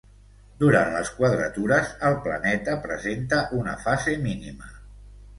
Durant les quadratures el planeta presenta una fase mínima.